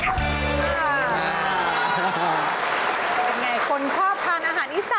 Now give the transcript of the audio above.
เป็นอย่างไรคนชอบทานอาหารอีสาน